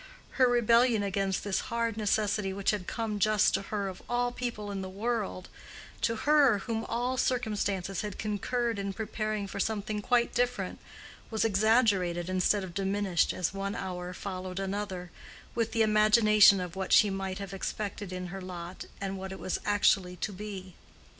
Her rebellion against this hard necessity which had come just to her of all people in the world—to her whom all circumstances had concurred in preparing for something quite different—was exaggerated instead of diminished as one hour followed another, with the imagination of what she might have expected in her lot and what it was actually to be.